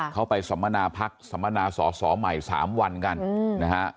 เข้าไปสมนาภักดิ์สมนาศสใหม่๓วันกันนะฮะ